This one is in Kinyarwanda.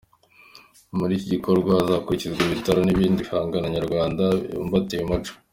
Muri iki gikorwa hazamurikwa ibitabo n’ibindi bihangano Nyarwanda bibumbatiye umuco.